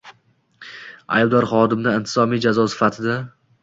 aybdor xodimni intizomiy jazo sifatida